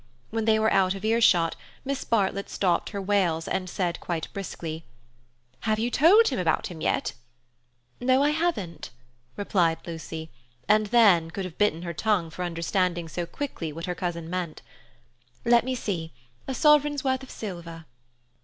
When they were out of earshot Miss Bartlett stopped her wails and said quite briskly: "Have you told him about him yet?" "No, I haven't," replied Lucy, and then could have bitten her tongue for understanding so quickly what her cousin meant. "Let me see—a sovereign's worth of silver."